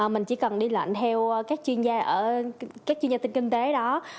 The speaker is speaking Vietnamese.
mình chỉ cần đi lệnh theo các chuyên gia tinh kinh tế đó